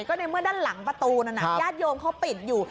ก็ในเมื่อด้านหลังประตูนั้นญาติโยมเขาปิดอยู่